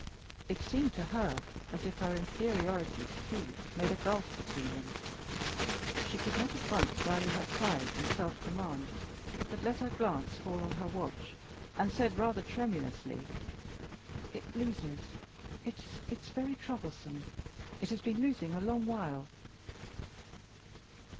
It seemed to her as if her inferiority to Felix made a gulf between them. She could not at once rally her pride and self command, but let her glance fall on her watch, and said, rather tremulously, "It loses. It is very troublesome. It has been losing a long while."